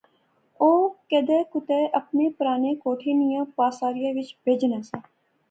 او کدے کُتے اپنے پرانے کوٹھے نیاں پاساریا وچ بہجنا سا